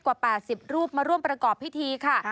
กว่า๘๐รูปมาร่วมประกอบพิธีค่ะ